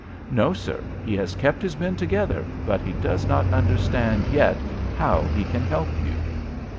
"No, sir. He has kept his men together, but he does not understand yet how he can help you."